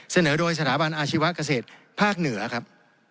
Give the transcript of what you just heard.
เสนอโดยสถาบันอาชีวะเกษตรภาคเหนือครับ